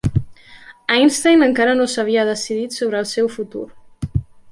Einstein encara no s"havia decidit sobre el seu futur.